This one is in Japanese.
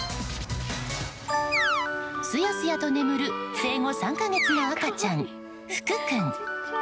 スヤスヤと眠る生後３か月の赤ちゃん、ふく君。